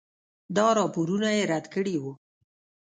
دا راپورونه یې رد کړي وو.